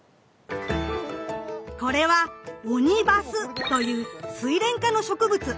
これはオニバスというスイレン科の植物。